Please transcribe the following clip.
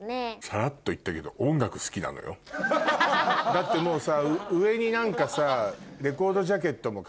だってもうさ上に何かさ。